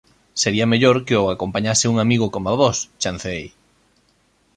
Sería mellor que o acompañase un amigo coma Vós −chanceei−.